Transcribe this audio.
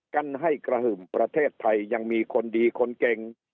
กันให้กระหึ่มประเทศไทยยังมีคนดีคนเก่ง